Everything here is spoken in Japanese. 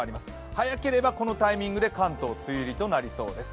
早ければこのタイミングで関東梅雨入りとなりそうです。